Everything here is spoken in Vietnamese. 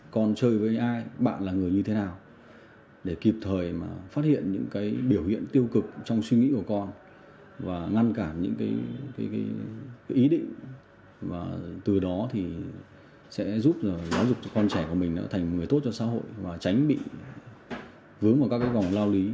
con chơi với ai bạn là người như thế nào để kịp thời phát hiện những biểu hiện tiêu cực trong suy nghĩ của con